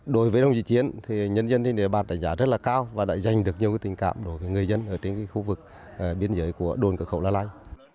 đối với đồng chí chiến nhân dân ở bản đại giá rất cao và đã giành được nhiều tình cảm đối với người dân ở khu vực biên giới của đồn cửa khẩu lào lai